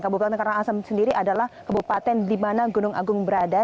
kabupaten karangasem sendiri adalah kabupaten di mana gunung agung berada